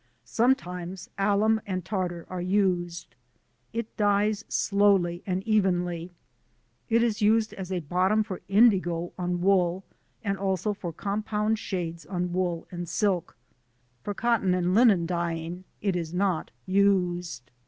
Sometimes alum and tartar are used. It dyes slowly and evenly. It is used as a bottom for Indigo on wool and also for compound shades on wool and silk. For cotton and linen dyeing it is not used.